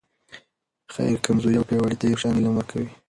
خير کمزورې او پیاوړي ته یو شان علم ورکوي.